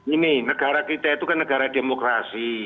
ini negara kita itu kan negara demokrasi